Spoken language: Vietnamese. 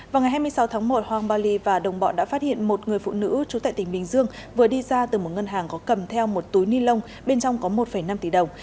vào ngày hai mươi sáu tháng một hoàng ba ly và đồng bọn đã phát hiện một người phụ nữ trú tại tỉnh bình dương vừa đi ra từ một ngân hàng có cầm theo một túi ni lông bên trong có một năm tỷ đồng